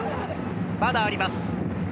まだあります。